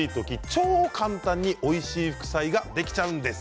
超簡単においしい副菜ができちゃうんです。